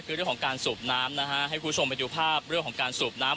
คือเรื่องของการสูบน้ำนะฮะให้คุณผู้ชมไปดูภาพเรื่องของการสูบน้ำ